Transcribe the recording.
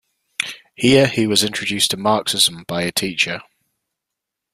Here he was introduced to Marxism by a teacher.